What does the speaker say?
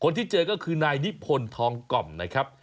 ที่เจอก็คือนายนิพนธ์ทองกล่อมนะครับ